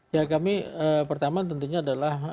ya kami pertama tentunya adalah